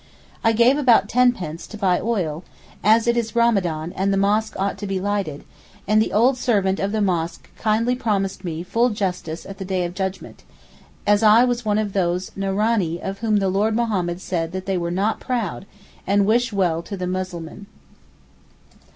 I gave about ten pence to buy oil, as it is Ramadan and the mosque ought to be lighted, and the old servant of the mosque kindly promised me full justice at the Day of Judgment, as I was one of those Nasranee of whom the Lord Mohammed said that they are not proud and wish well to the Muslimeen.